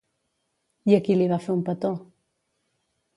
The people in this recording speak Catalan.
I a qui li va fer un petó?